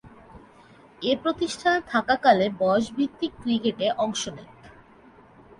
এ প্রতিষ্ঠানে থাকাকালে বয়সভিত্তিক ক্রিকেটে অংশ নেন।